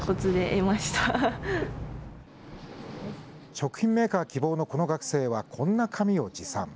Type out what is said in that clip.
食品メーカー希望のこの学生は、こんな紙を持参。